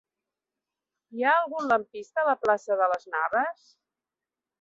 Hi ha algun lampista a la plaça de Las Navas?